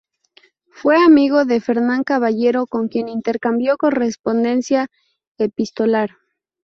Fue amigo de Fernán Caballero, con quien intercambió correspondencia epistolar.